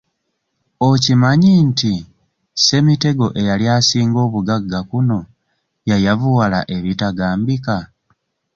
Okimanyi nti Ssemitego eyali asinga obugagga kuno yayavuwala ebitagambika?